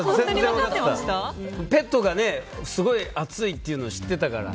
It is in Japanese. ペットがすごい暑いっていうの知ってたから。